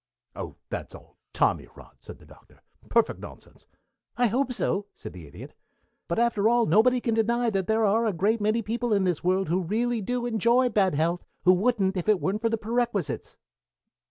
"O, that's all tommyrot," said the Doctor. "Perfect nonsense " "I hope so," said the Idiot, "but after all nobody can deny that there are a great many people in this world who really do enjoy bad health who wouldn't if it weren't for the perquisites."